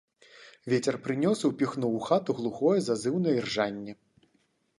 Вецер прынёс і ўпіхнуў у хату глухое зазыўнае іржанне.